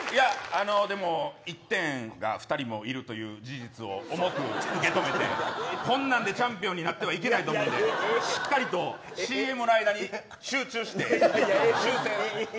１点が２人もいるという事実を重く受け止めてこんなんでチャンピオンになってはいけないと思うのでしっかりとＣＭの間に集中して修正を。